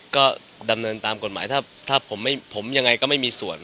ก็ดำเนินตามกฎหมายถ้าผมยังไงก็ไม่มีส่วน